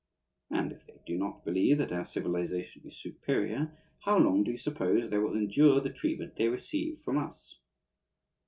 And if they do not believe that our civilization is superior, how long do you suppose they will endure the treatment they receive from us?